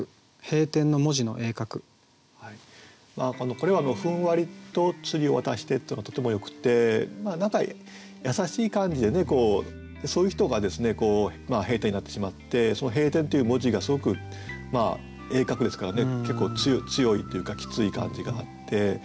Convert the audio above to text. これは「ふんわりと釣りを渡して」ってのがとてもよくて何か優しい感じでねでそういう人がですね閉店になってしまってその「閉店」っていう文字がすごく鋭角ですからね結構強いというかきつい感じがあって。